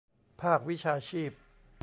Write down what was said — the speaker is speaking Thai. ภาควิชาชีพ